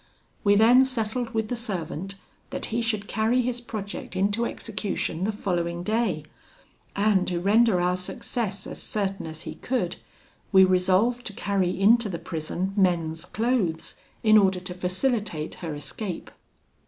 We then settled with the servant that he should carry his project into execution the following day, and to render our success as certain as he could, we resolved to carry into the prison men's clothes, in order to facilitate her escape."